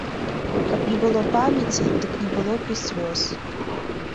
Каб не было памяці, дык не было б і слёз.